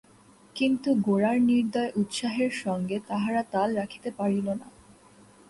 কিন্তু গোরার নির্দয় উৎসাহের সঙ্গে তাহারা তাল রাখিতে পারিল না।